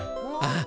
ああ